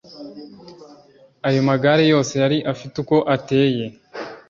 ayo magare yose yari afite uko ateye